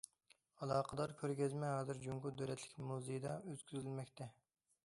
ئالاقىدار كۆرگەزمە ھازىر جۇڭگو دۆلەتلىك مۇزېيدا ئۆتكۈزۈلمەكتە.